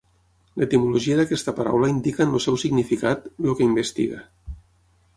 L'etimologia d'aquesta paraula indica en el seu significat 'el que investiga'.